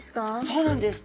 そうなんです。